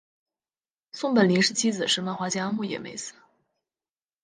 松本零士妻子是漫画家牧美也子。